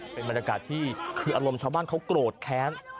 เป็นบรรยากาศที่คืออารมณ์ชาวบ้านเขาโกรธแค้น